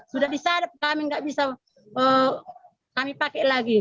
sudah disadap kami nggak bisa kami pakai lagi